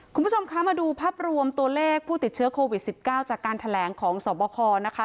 คุณผู้ชมคะมาดูภาพรวมตัวเลขผู้ติดเชื้อโควิด๑๙จากการแถลงของสวบคนะคะ